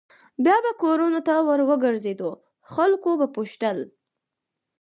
بیا به کورونو ته ور وګرځېدو خلکو به پوښتل.